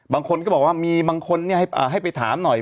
บางคนก็บอกว่ามีบางคนให้ไปถามหน่อย